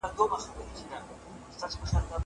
هغه څوک چي کښېناستل کوي پوهه زياتوي!